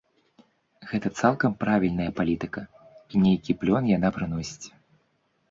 Гэта цалкам правільная палітыка, і нейкі плён яна прыносіць.